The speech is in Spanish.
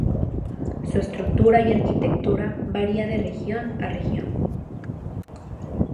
Su estructura y arquitectura varía de región a región.